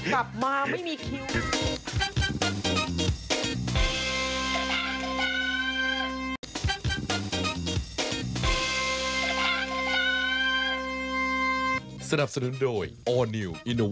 เพราะกลับมาไม่มีคิว